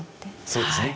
そうですね。